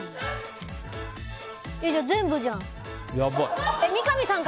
じゃあ、全部じゃん。